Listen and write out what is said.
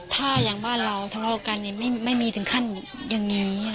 ถ้าอย่างบ้านเราทะเลาะกันไม่มีถึงขั้นอย่างนี้